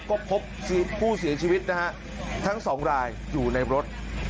ก็พบผู้เสียชีวิตนะฮะทั้งสองรายอยู่ในรถ